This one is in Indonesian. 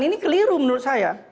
ini keliru menurut saya